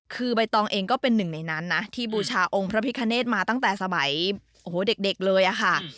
คือใบตองเองก็เป็นหนึ่งในนั้นนะที่บูชาองค์พระพิคเนธมาตั้งแต่สมัยโอ้โหเด็กเลยอะค่ะ